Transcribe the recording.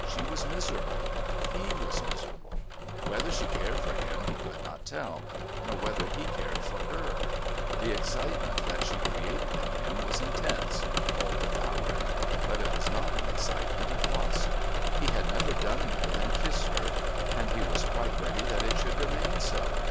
She was miserable; he was miserable; whether she cared for him he could not tell, nor whether he cared for her. The excitement that she created in him was intense, all devouring, but it was not an excitement of lust. He had never done more than kiss her, and he was quite ready that it should remain so.